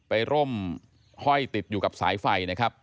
ร่มห้อยติดอยู่กับสายไฟนะครับ